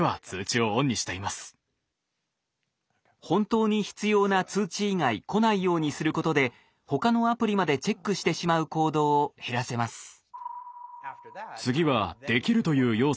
本当に必要な通知以外来ないようにすることで他のアプリまでチェックしてしまう行動を減らせます。